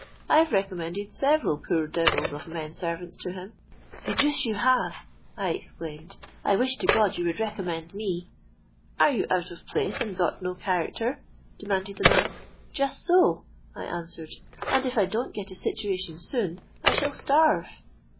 I've recommended several poor devils of men servants to him.'—'The deuce you have!' I exclaimed: 'I wish to God you would recommend me!'—'Are you out of place and got no character?' demanded the man.—'Just so,' I answered; 'and if I don't get a situation soon, I shall starve.'